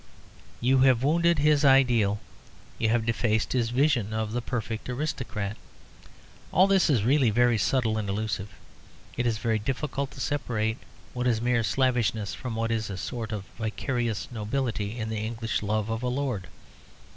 You have wounded his ideal. You have defaced his vision of the perfect aristocrat. All this is really very subtle and elusive; it is very difficult to separate what is mere slavishness from what is a sort of vicarious nobility in the English love of a lord.